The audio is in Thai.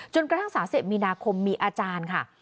จนกระทั่งศาสตร์๑๐มีนาคมมีอาจารย์ค่ะ